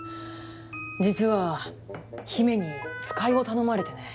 実は姫に使いを頼まれてね。